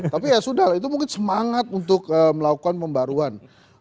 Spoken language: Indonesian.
tapi ya sudah lah itu mungkin semangat untuk melakukan pembaruan